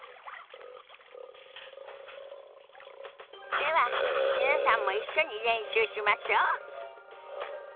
では皆さんも一緒に練習しましょ。